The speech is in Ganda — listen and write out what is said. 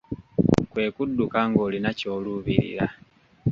Kwe kudduka ng'olina ky’oluubirira.